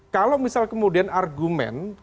kalau misal kemudian argumen